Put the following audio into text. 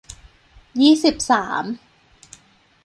ยี่สิบสาม